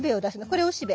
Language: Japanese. これおしべ。